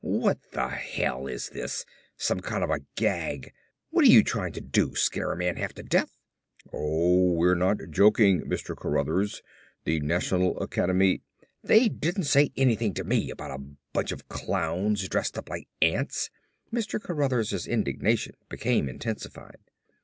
"What the hell is this, some kind of a gag! What are you trying to do, scare a man half to death!" "Oh, we're not joking, Mr. Cruthers. The National Academy " "They didn't say anything to me about a bunch of clowns dressed up like ants!" Mr. Cruthers' indignation became intensified.